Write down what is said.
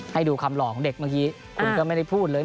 ให้ดูคำหล่อของเด็กเมื่อกี้คุณก็ไม่ได้พูดเลย